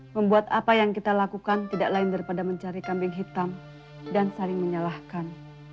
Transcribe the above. membuat apa yang kita lakukan tidak lain daripada mencari kambing hitam dan saling menyalahkan